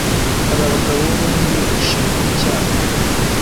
Aba bagabo bombi bashinjwaga icyaha. )